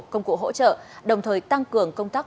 công cụ hỗ trợ đồng thời tăng cường công tác